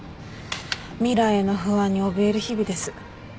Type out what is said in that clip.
未来の不安におびえる日々です。